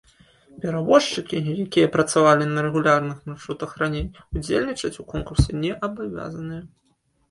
Перавозчыкі, якія працавалі на рэгулярных маршрутах раней, удзельнічаць у конкурсе не абавязаныя.